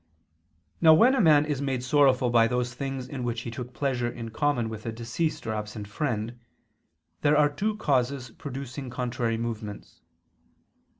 Now when a man is made sorrowful by those things in which he took pleasure in common with a deceased or absent friend, there are two causes producing contrary movements.